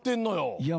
いや。